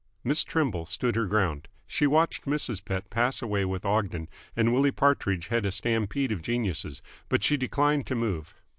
Miss Trimble stood her ground. She watched Mrs. Pett pass away with Ogden, and Willie Partridge head a stampede of geniuses, but she declined to move.